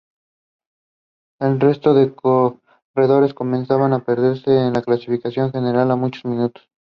El resto de corredores, comenzaban a perderse en la clasificación general, a muchos minutos.